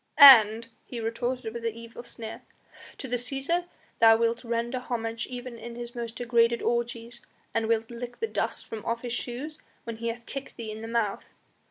"And," he retorted with an evil sneer, "to the Cæsar thou wilt render homage even in his most degraded orgies, and wilt lick the dust from off his shoes when he hath kicked thee in the mouth."